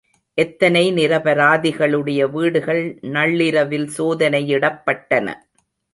எத்தனை நிரபராதிகளுடைய வீடுகள் நள்ளிரவில் சோதனையிடப்பட்டன.